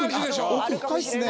奥深いっすね。